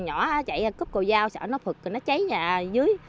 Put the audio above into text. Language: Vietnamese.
nhỏ chạy cúp cầu dao sợ nó phực nó cháy nhà dưới